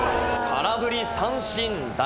空振り三振。